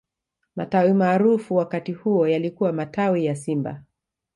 matawi maarufu wakati huo yalikuwa matawi ya simba